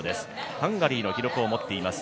ハンガリーの記録を持っています。